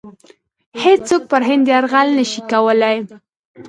هیڅوک پر هند یرغل نه شي کولای.